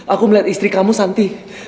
aku melihat istri kamu santi